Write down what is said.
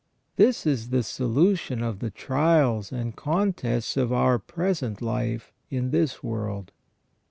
This is the solution of the trials and contests of our present life in this world.